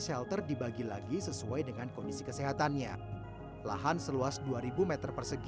shelter dibagi lagi sesuai dengan kondisi kesehatannya lahan seluas dua ribu meter persegi